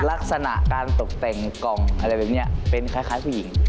ลักษณะการตกแต่งกล่องอะไรแบบนี้เป็นคล้ายผู้หญิง